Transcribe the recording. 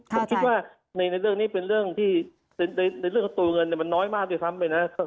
ผมคิดว่าในเรื่องนี้เป็นเรื่องที่ในเรื่องของตัวเงินมันน้อยมากด้วยซ้ำไปนะ